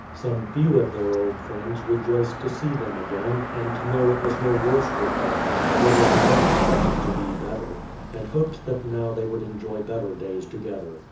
Some few of their old friends rejoiced to see them again, and to know that it was no worse with them, for they could not expect it to be better ; and hoped that now they would enjoy better days together.